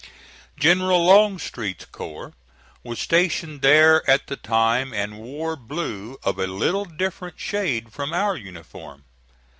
General Longstreet's corps was stationed there at the time, and wore blue of a little different shade from our uniform.